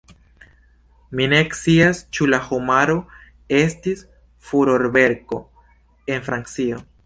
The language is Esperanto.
Mi ne scias, ĉu la romano estis furorverko en Francio.